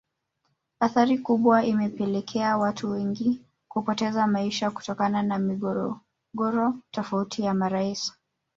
Athari kubwa imepelekea watu wengi kupoteza maisha kutokana na migogoro tofauti ya marais